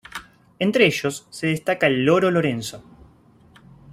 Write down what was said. Entre ellos se destaca el loro Lorenzo.